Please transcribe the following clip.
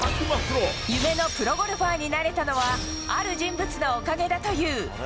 夢のプロゴルファーになれたのはある人物のおかげだという。